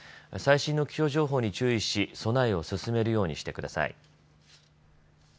最新の気象情報に注意し備えを進めるようにしてください。